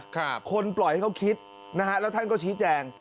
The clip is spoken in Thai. คนปล่อยให้เขาคิดนะฮะแล้วท่านก็ชี้แจง